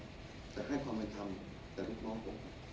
แต่ให้ความเป็นธรรมกับลูกน้องผม